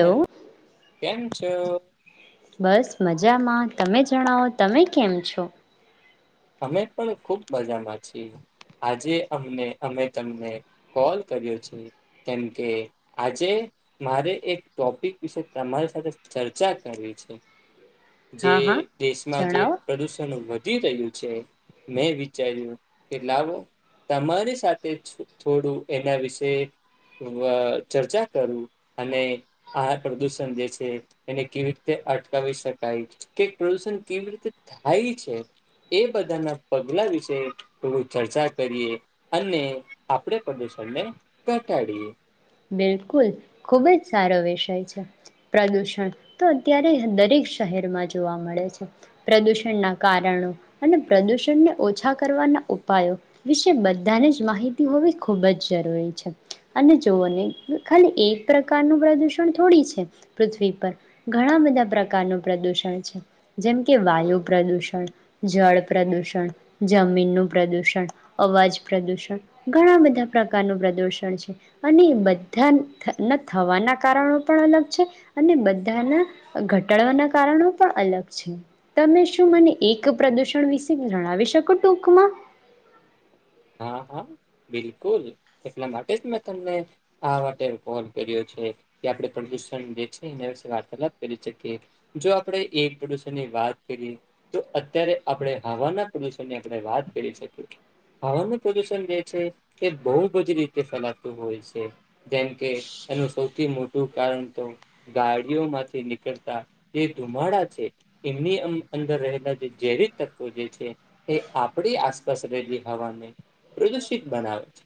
Hello, કેમ છો? બસ મજામાં, તમે જણાવો, તમે કેમ છો? અમે પણ ખુબ મજામાં છીએ. આજે અમને અમે તમને કોલ કર્યો છે કેમ કે આજે મારે એક ટોપિક વિશે તમારી સાથે ચર્ચા કરવી છે. જે હા હા દેશમાં જે જણાવો પ્રદુષણ વધી રહ્યું છે મેં વિચાર્યું કે લાવો તમારી સાથે છ થોડું એના વિશે વ ચર્ચા કરું, અને આ પ્રદુષણ જે છે એને કેવી રીતે અટકાવી શકાય કે પ્રદુષણ કેવી રીતે થાય છે એ બધાના પગલા વિશે થોડું ચર્ચા કરીએ, અને આપણે પ્રદૂશણને ઘટાડીએ. બિલકુલ ખૂબ જ સારો વિષય છે. પ્રદુષણ તો અત્યારે દરેક શહેરમાં જોવા મળે છે. પ્રદૂષણના કારણો અને પ્રદુષણને ઓછા કરવાના ઉપાયો વિશે બધાને જ માહિતી હોવી ખૂબ જ જરૂરી છે અને ખાલી એક પ્રકારનું પ્રદુષણ થોડી છે. પૃથ્વી પર ઘણા બધા પ્રકારનું પ્રદુષણ છે. જેમ કે વાયુ પ્રદૂષણ, જળ પ્રદુષણ, જમીનનું પ્રદુષણ, અવાજ પ્રદુષણ ઘણા બધા પ્રકારનું પ્રદુષણ છે. અને બધા થવાના કારણો પણ અલગ છે અને બધાના ઘટાડવાના કારણો પણ અલગ છે. તમે શું મને એક પ્રદૂષણ વિશે જણાવી શકો ટૂકમાં? હા હા બિલકુલ. એટલા માટે જ મેં તમને આ માટે કોલ કર્યો છે કે આપણે પ્રદુષણ જે છે એના વિશે વાર્તાલાપ કરી શકીએ જો આપણે એ પ્રદુષણની વાત કરીએ તો અત્યારે આપણે હવાના પ્રદુષણની આપણે વાત કરી શકીએ. હવાનું પ્રદુષણ જે છે એ બહુ જ રીતે ફેલાતું હોય છે. જેમ કે એનું સૌથી મોટું કારણ તો ગાડીઓમાંથી નીકળતા જે ધુમાડા છે. એમની અંદર રહેલા જે ઝેરી તત્વો જે છે એ આપણી આસપાસ રહેલી હવાને પ્રદૂષિત બનાવે છે.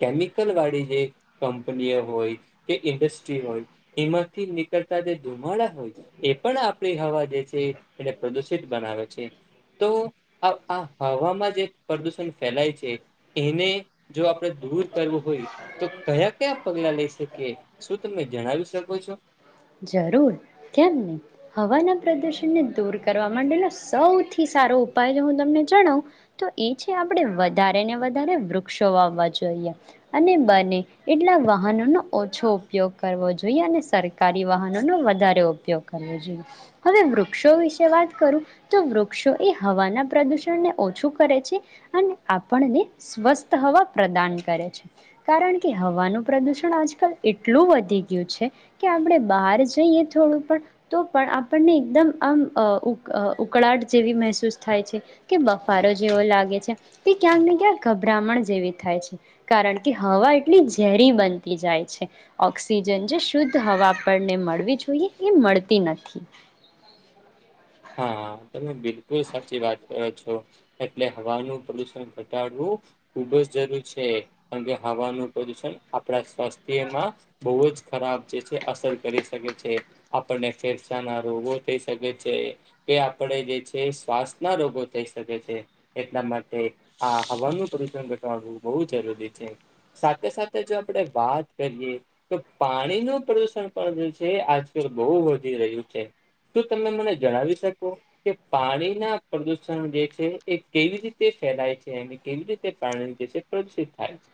કેમિકલ વાળી જે કંપનીઓ હોય કે ઇન્ડસ્ટ્રી હોય એમાંથી નીકળતા જે ધુમાડા હોય એ પણ આપણી હવા જે છે એને પ્રદુષિત બનાવે છે તો આ આ હવામાં જે પ્રદૂષણ ફેલાય છે એને જો આપણે દૂર કરવું હોય તો કયા કયા પગલા લઈ શકીએ. શું તમે જણાવી શકો છો? જરૂર કેમ નઈ. હવાના પ્રદુષણને દૂર કરવા માટેનો સૌથી સારો ઉપાય હું તમને જણાવ તો એ છે આપણે વધારે ને વધારે વૃક્ષો વાવવા જોઈએ અને બને એટલા વાહનોનો ઓછો ઉપયોગ કરવો જોઈએ અને સર કારી વાહનોનો વધારે ઉપયોગ કરવો જોઈએ. હવે વૃક્ષો વિશે વાત કરું તો વૃક્ષો એ હવાના પ્રદુષણને ઓછું કરે છે અને આપણને સ્વસ્થ હવા પ્રદાન કરે છે. કારણ કે હવાનું પ્રદુષણ આજકાલ એટલું વધી ગયું છે કે આપણે બહાર જઈએ થોડું પણ તો પણ આપણને એકદમ આમ અ ઉ ઉકળાટ જેવી મહેસૂસ થાય છે કે બફારો જેવો લાગે છે તે ક્યાંક ને ક્યાંક ગભરામણ જેવી થાય છે કારણ કે હવા એટલી ઝેરી બનતી જાય છે. ઓક્સિજન જે શુદ્ધ હવા આપણને મળવી જોઈએ એ મળતી નથી. હા હા. તમે બિલકુલ સાચી વાત કરો છો. એટલે હવાનું પ્રદુષણ ઘટાડવું ખુબ જ જરૂર છે. કારણ કે હવાનું પ્રદુષણ આપણા સ્વાસ્થ્યમાં બહુ જ ખરાબ જે છે અસર કરી શકે છે. આપણને ફેફસાં ના રોગો થઈ શકે છે કે આપણે જે છે શ્વાસના રોગો થઈ શકે છે. એટલા માટે આ હવાનું પ્રદુષણ ઘટાડવું બહુ જરૂરી છે. સાથે સાથે જો આપણે વાત કરીએ તો પાણીનું પ્રદુષણ પણ જે છે આજકાલ બહુ વધી રહ્યું છે, શું તમે મને જણાવી શકો કે પાણીના પ્રદુષણ જે છે એ કેવી રીતે ફેલાય છે અને કેવી રીતે પાણી જે છે પ્રદુષિત થાય છે?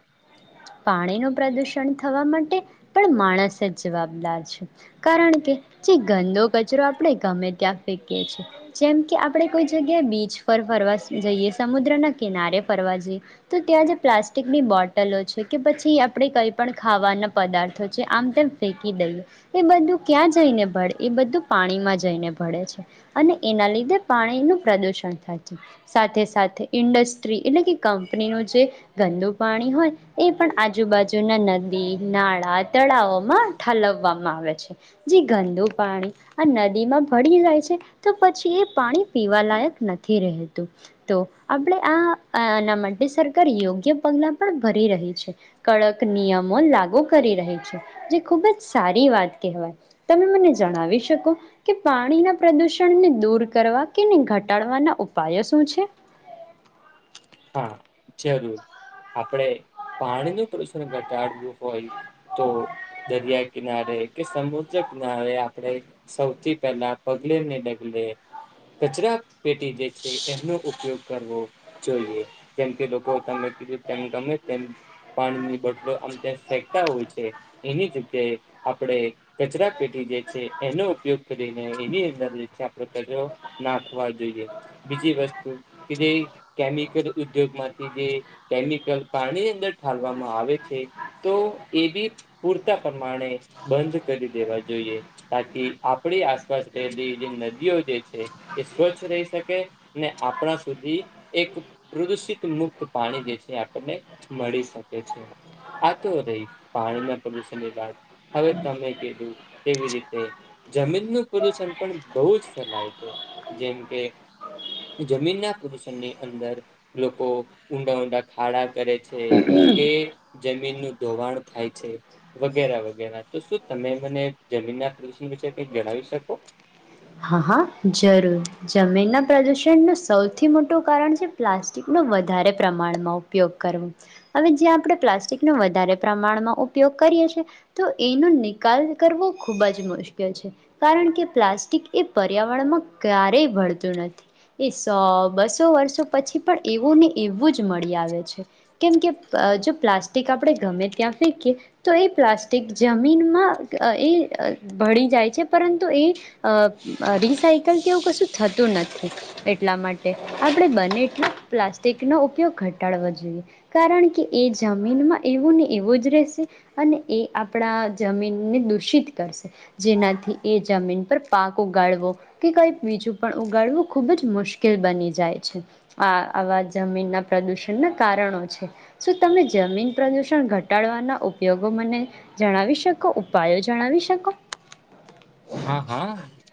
પાણી નું પ્રદુષણ થવા માટે પણ માણસ જ જવાબદાર છે, કારણ કે જે ગંદો કચરો આપણે ગમે ત્યાં ફેંકીએ છીએ. જેમ કે આપણે કોઈ જગ્યાએ બીચ પર ફરવા જઈએ, સમુદ્રના કિનારે ફરવા જઈએ તો ત્યાં જે પ્લાસ્ટિકની બોટલો છે કે પછી આપણે કંઈ પણ ખાવાના પદાર્થો છે. આમ તેમ ફેંકી દઈએ તે બધું ક્યાં જઈને ભળે એ બધું પાણીમાં જઈને ભળે છે અને એના લીધે પાણીનું પ્રદુષણ થાય છે. સાથે સાથે ઇન્ડસ્ટ્રી એટલે કે કંપનીનું જે ગંદો પાણી હોય એ પણ આજુબાજુના નદી, નાળા, તળાવમાં ઠાલવવામાં આવે છે. જે ગંદુ પાણી આ નદીમાં ભળી જાય છે તો પછી એ પાણી પીવાલાયક નથી રહેતું. તો આપણે આ આના માટે સરકાર યોગ્ય પગલાં પણ ભરી રહી છે, કડક નિયમો લાગુ કરી રહી છે. જે ખૂબ જ સારી વાત કહેવાય. તમે મને જણાવી શકો કે પાણીના પ્રદુષણને દૂર કરવા કે એને ઘટાડવાના ઉપાયો શું છે? હા જરૂર. આપણે પાણીનું પ્રદુષણ ઘટાડવું હોય તો દરિયા કિનારે કે સમુદ્ર કિનારે આપણે સૌથી પહેલા પગલેને ડગલે કચરા પેટી જે છે એમનો ઉપયોગ કરવો જોઈએ, કેમકે લોકો તમે કીધું તેમ ગમે તેમ પાણીની બોટલો આમ તેમ ફેકતા હોય છે, એવી જ રીતે આપણે કચરા પેટી જે છે એનો ઉપયોગ કરીને એની અંદર જે છે આપણે કચરો નાખવા જોઈએ. બીજી વસ્તુ કે જે કેમિકલ ઉદ્યોગમાં કે જે કેમિકલ પાણીની અંદર ઠાલવામાં આવે છે તો એ બી એક પૂરતા પ્રમાણે બંધ કરી દેવા જોઈએ, તાકી આપણી આસપાસ રહેલી જે નદીઓ જે છે એ સ્વચ્છ રહી શકે ને આપણા સુધી એક પ્રદૂષિત મુક્ત પાણી જે છે આપણને મળી શકે છે. આ તો રહી પાણીના પ્રદુષણની, વાત હવે તમે કીધું તેવી રીતે જમીનનું પ્રદુષણ પણ બહુ જ ફેલાય છે, જેમ કે જમીનના પ્રદુષણની અંદર લોકો ઊંડા-ઊંડા ખાડા કરે છે, કે જમીનનું ધોવાણ થાય છે વગેરા વગેરા. તો શું તમે મને જમીનના દૂષિત વિશે કંઈ જણાવી શકો? હા હા જરૂર. જમીનના પ્રદુષણનું સૌથી મોટું કારણ છે પ્લાસ્ટિકનો વધારે પ્રમાણમાં ઉપયોગ કરવો. હવે જે આપણે પ્લાસ્ટિકનો વધારે પ્રમાણમાં ઉપયોગ કરીએ છે તો એનો નિકાલ કરવો ખૂબ જ મુશ્કેલ છે કારણ કે પ્લાસ્ટિક એ પર્યાવરણમાં ક્યારેય ભળતું નથી. એ સો બસો વર્ષો પછી પણ એવુંને એવું જ મળી આવે છે, કેમ કે અહ જો પ્લાસ્ટિક આપણે ગમે ત્યાં ફેંકીએ તો એ પ્લાસ્ટિક જમીનમાં એ અહ ભળી જાય છે પરંતુ એ અહ રિસાયકલ કે એવું કશું થતું નથી એટલા માટે આપણે બને એટલું પ્લાસ્ટિકનો ઉપયોગ ઘટાડવો જોઈએ કારણ કે એ જમીનમાં એવું ને એવું જ રહેશે અને એ આપણા જમીનને દૂષિત કરશે, જેનાથી એ જમીન પર પાક ઉગાડવો કે કંઈક બીજું પણ ઉગાડવું ખુબ જ મુશ્કેલ બની જાય છે. આ આવા જમીન ના પ્રદુષણ ના કારણો છે. શું તમે જમીન પ્રદુષણ ઘટાડવાના ઉપયોગો મને જણાવી શકો, ઉપાયો જણાવી શકો? હા હા.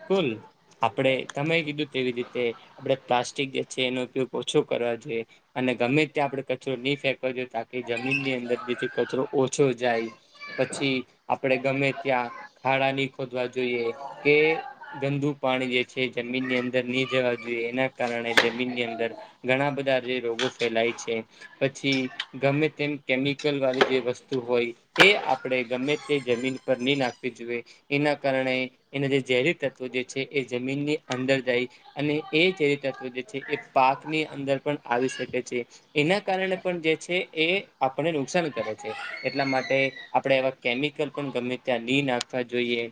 કુલ આપ આપણે તમે કીધું તેવી રીતે આપણે પ્લાસ્ટિક જે છે એનો ઉપયોગ ઓછો કરવા જોઈએ, અને ગમે ત્યાં આપણે કચરો નહી ફેંકવા જોઈએ તાકી જમીનની અંદર જેથી કચરો ઓછો જાય. પછી આપણે ગમે ત્યાં ખાડા ની ખોદવા જોઈએ કે ગંદુ પાણી જે છે જમીનની અંદર નહીં જવા જોઈએ એના કારણે જમીન ની અંદર ઘણા બધા જે રોગો ફેલાય છે, પછી ગમે તેમ કેમિકલ વાળી જે વસ્તુ હોય એ આપણે ગમે તે જમીન પર ની નાખવી જોઈએ એના કારણે એને જે ઝેરી તત્વો જે છે એ જમીનની અંદર જાય અને એ ઝેરી તત્વો જે છે એ પાકની અંદર પણ આવી શકે છે, એના કારણે પણ જે છે એ આપણને નુકસાન કરે છે. એટલા માટે આપણે એવા કેમિકલ પણ ગમે ત્યાં ની નાખવા જોઈએ.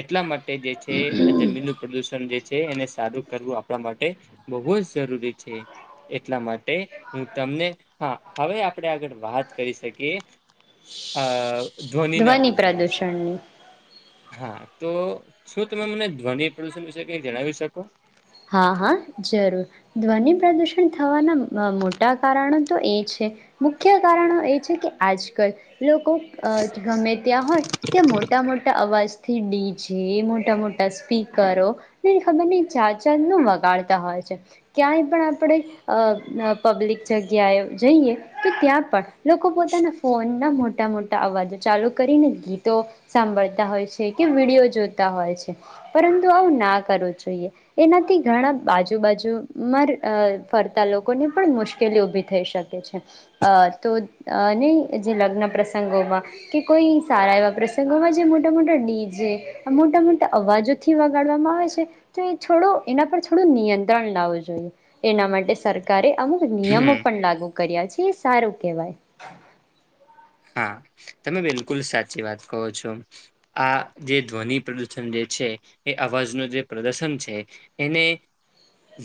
એટલા માટે એ જે છે જમીનનું પ્રદુષણ જે છે એને સારું કરવું આપણા માટે બહુ જ જરૂરી છે, એટલા માટે હું તમને હા હવે આપણે આગળ વાત કરી શકીએ અહ ધ્વની ના ધ્વનિ પ્રદૂષણ વિશે પ્રદૂષણની હા તો શું તમે મને ધ્વનિ પ્રદુષણ વિશે કંઈ જણાવી શકો? હા હા જરૂર. ધ્વનિ પ્રદુષણ થવાના મ મોટા કારણો તો એ છે, મુખ્ય કારણો એ છે કે આજ કલ લોકો અહ ગમે ત્યાં હોય ત્યાં મોટા મોટા અવાજ થી ડી જે, મોટા મોટા સ્પીકરો ને ખબર નહિં જ જાત જાતનું વગાડતા હોય છે. ક્યાંય પણ આપણે પબ્લિક જગ્યાએ જઈએ તો ત્યાં પણ લોકો પોતાના ફોનના મોટા મોટા અવાજો ચાલુ કરીને ગીતો સાંભળતા હોય છે કે વિડીયો જોતા હોય છે, પરંતુ આવું ના કરવું જોઈએ. એનાથી ઘણા બાજુ બાજુમાં ર અહ ફરતાં લોકોને પણ મુશ્કેલી ઊભી થઈ શકે છે. અહ તો અહ નહીં જે લગ્ન પ્રસંગોમાં કે કોઈ સારા એવા પ્રસંગોમાં જે મોટા મોટા ડી જેે, મોટા મોટા અવાજોથી વગાડવામાં આવે છે તો એ છોડો એના પર થોડો નિયંત્રણ લાવવું જોઈએ. એના માટે સરકારે અમુક નિયમો હમ, પણ લાગુ કર્યા છે એ સારું કેવાય. હા તમે બિલકુલ સાચી વાત કહો છો. આ જે ધ્વનિ પ્રદૂષણ જે છે એ અવાજનું જે પ્રદર્શન છે એને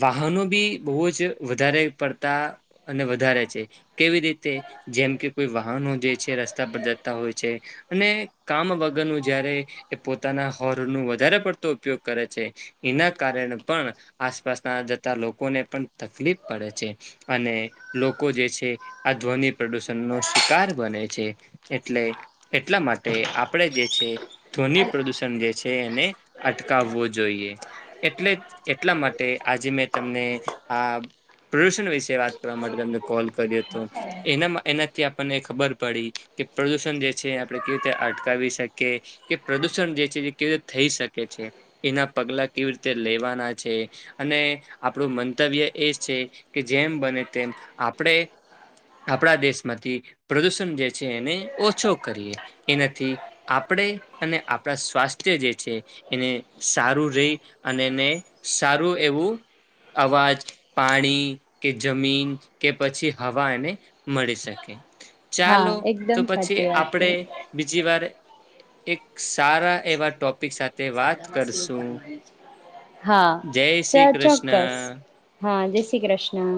વાહનો બી બહુ જ વધારે પડતા અને વધારે છે, કેવી રીતે જેમ કે કોઈ વાહન હો. છે જે રસ્તા પર જતા હોય છે. અને કામ વગરનું જ્યારે એ પોતાના હોર્નનું વધારે પડતો ઉપયોગ કરે છે. એના કારણે પણ આસપાસના જતા લોકોને પણ તકલીફ પડે છે અને લોકો જે છે આ ધ્વનિ પ્રદૂષણનો શિકાર બને છે. છે. એટલે, એટલા માટે આપણેે જે છે. ધ્વનિ પ્રદુષણ જે છે. એ એને અટકાવવો જોઈએ, એટલે એટલા માટે આજે મેં તમને આ પ્રદૂષણ વિશે વાત કરવા માટે તમને કોલ કર્યો હતો, એના એનાથી આપણને ખબર. પડી તે પ્રદૂષણ જે છે, આપણે કેવી રીતે અટકાવી શકીએ, કે પ્રદૂષણ જે છે એ કેવી રીતે થઈ શકે છે, એના પગલા કેવી રીતે લેવાના છે અને આપણું મંતવ્ય એ છે કે જેમ બને તેમ આપણે આપણા દેશમાંથી પ્રદુષણ. જે છે એને ઓછો કરીએ, એનાથી આપણે અને આપણા સ્વાસ્થ્ય જે છે એને સારું રહી અને એને સારું એવું અવાજ, પાણી કે જમીન કે પછી હવા એને મળી શકે. હા ચાલો, તો એકદમ પછી સાચી વાત આપણેે બીજી વાર એક સારા એવા ટોપિક સાથે વાત કરશું [inaudible] હા, જય ચ શ્રી ચોક્કસ. કૃષ્ણ હા, જય શ્રી કૃષ્ણ.